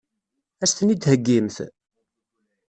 Ad as-ten-id-theggimt?